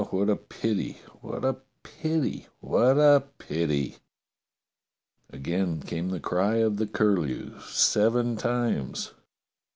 Oh, what a pity, w^hat a pity, what a pity !" Again came the cry of the curlew, seven times.